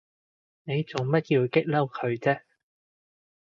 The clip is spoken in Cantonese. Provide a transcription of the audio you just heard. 你做乜要激嬲佢啫？